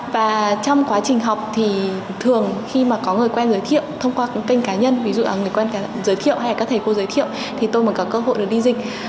và trong quá trình học thì thường khi mà có người quen giới thiệu thông qua kênh cá nhân ví dụ người quen giới thiệu hay là các thầy cô giới thiệu thì tôi mới có cơ hội được đi dịch